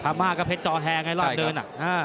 พม่าก็เผ็ดจอแฮร์ไงรอดเดิน